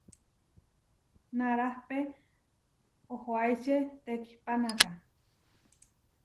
Narahpé ohuáiče tekihpanáka.